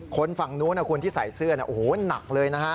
คนฝั่งนู้นนะคุณที่ใส่เสื้อโอ้โหหนักเลยนะฮะ